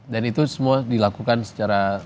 dan itu semua dilakukan secara